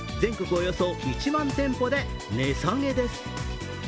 およそ１万店舗で値下げです。